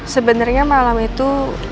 sebenernya malam itu